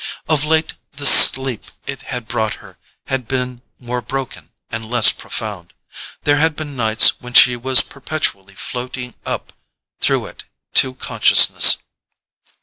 Of late the sleep it had brought her had been more broken and less profound; there had been nights when she was perpetually floating up through it to consciousness.